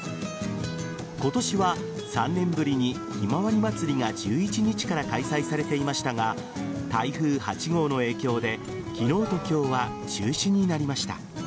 今年は３年ぶりにひまわりまつりが１１日から開催されていましたが台風８号の影響で昨日と今日は中止になりました。